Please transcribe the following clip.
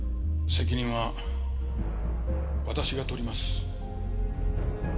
責任は私が取ります。